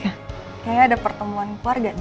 kayaknya ada pertemuan keluarga nih